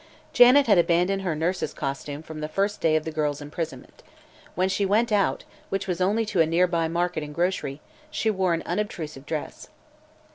Janet had abandoned her nurse's costume from the first day of the girl's imprisonment. When she went out, which was only to a near by market and grocery, she wore an unobtrusive dress.